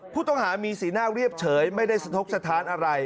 ผู้ต้องหามีสีหน้าเรียบเฉยไม่ได้สะทกสถานอะไร